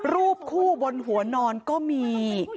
รูปคู่บนหัวนอนก็มี